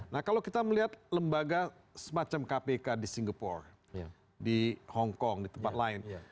nah kalau kita melihat lembaga semacam kpk di singapura di hongkong di tempat lain